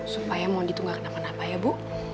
supaya mondi tuh gak kenapa napa ya ibu